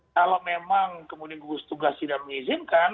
kalau memang kemudian gugus tugas tidak mengizinkan